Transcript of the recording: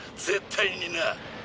絶対にな。